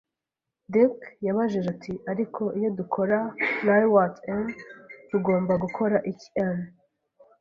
Dick yabajije ati: “Ariko, iyo dukora laywart em, tugomba gukora iki 'em,